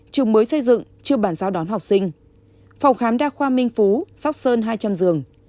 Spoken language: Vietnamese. trường mới xây dựng trường bản giáo đón học sinh phòng khám đa khoa minh phú sóc sơn hai trăm linh giường